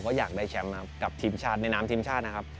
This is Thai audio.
ก็อยากได้แชมป์ครับกับทีมชาติในน้ำทีมชาตินะครับ